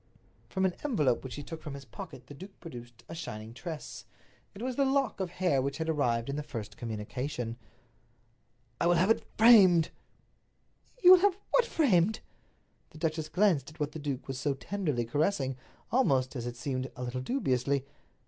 From an envelope which he took from his pocket the duke produced a shining tress. It was the lock of hair which had arrived in the first communication. "I will have it framed." "You will have what framed?" The duchess glanced at what the duke was so tenderly caressing, almost, as it seemed, a little dubiously.